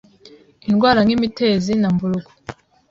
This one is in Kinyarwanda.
Indwara nk’imitezi na Mburugu,